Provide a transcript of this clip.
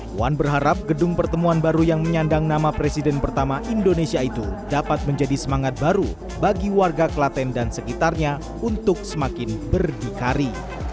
puan berharap gedung pertemuan baru yang menyandang nama presiden pertama indonesia itu dapat menjadi semangat baru bagi warga klaten dan sekitarnya untuk semakin berdikari